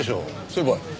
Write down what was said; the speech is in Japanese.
先輩。